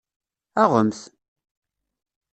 Aɣemt!